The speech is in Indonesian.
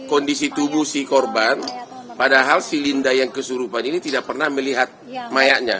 kondisi tubuh si korban padahal si linda yang kesurupan ini tidak pernah melihat mayanya